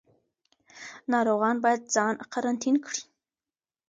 ناروغان باید ځان قرنطین کړي.